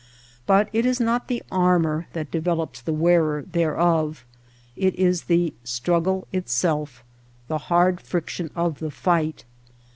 But it is not the armor that develops the wearer thereof. It is the struggle itself — the hard friction of the fight.